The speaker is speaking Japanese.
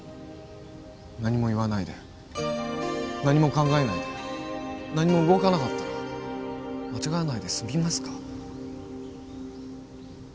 何も言わないで何も考えないで何も動かなかったら間違わないで済みますか？